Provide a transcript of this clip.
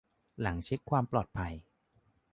หลังเช็คความปลอดภัย